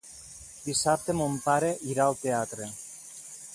Dissabte mon pare irà al teatre.